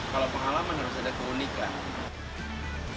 kalau pengalaman harus ada keunikan